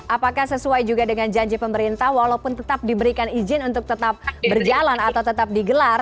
apakah sesuai juga dengan janji pemerintah walaupun tetap diberikan izin untuk tetap berjalan atau tetap digelar